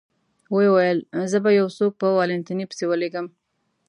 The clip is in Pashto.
ویې ویل: زه به یو څوک په والنتیني پسې ولېږم.